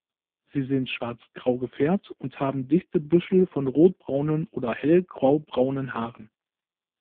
Sie sind schwarzgrau gefärbt und haben dichte Büschel von rotbraunen oder hell graubraunen Haaren.